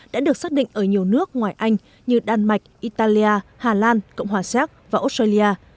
đã được xác định ở nhiều nước ngoài anh như đan mạch italia hà lan cộng hòa séc và australia